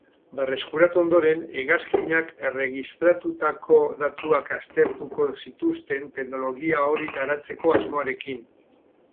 Berreskuratu ondoren, hegazkinak erregistratutako datuak aztertuko zituzten teknologia hori garatzeko asmoarekin.